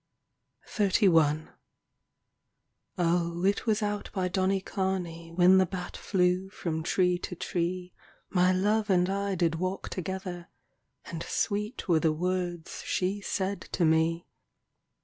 XXXI O, it was out by Donnycarney When the bat flew from tree to tree My love and I did walk together ; And sweet were the words she said to me.